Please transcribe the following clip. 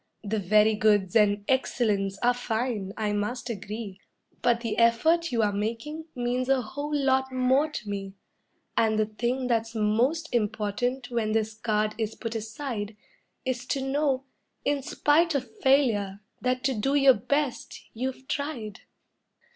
The 'very goods' and 'excellents' are fine, I must agree, But the effort you are making means a whole lot more to me; And the thing that's most important when this card is put aside Is to know, in spite of failure, that to do your best you've tried.